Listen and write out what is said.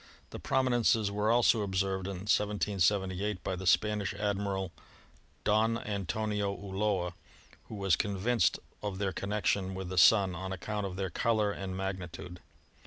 The prominences were also observed in 1778 by the Spanish Admiral Don Antonio Ulloa, who was convinced of their connection with the Sun on account of their color and magnitude.